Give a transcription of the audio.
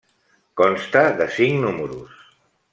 Consta de cinc números.